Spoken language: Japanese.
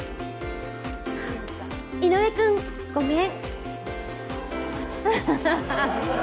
井上君、ごめん。